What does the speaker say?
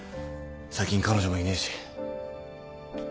最近彼女もいねえし。